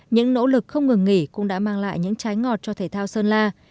những nỗ lực không ngừng nghỉ cũng đã mang lại những trái ngọt cho thể thao sơn la